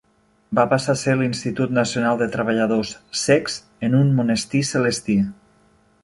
Va passar a ser l'Institut Nacional de treballadors cecs en un monestir celestí.